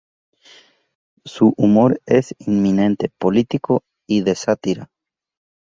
Su humor es eminentemente político y de sátira.